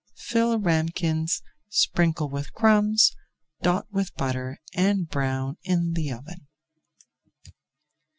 Fill ramekins, sprinkle with crumbs, dot with butter, and brown in the oven.